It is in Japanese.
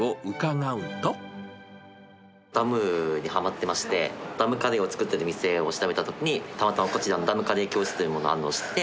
ダムにはまってまして、ダムカレーを作ってる店を調べたときに、たまたまこちらのダムカレー教室というのを知って。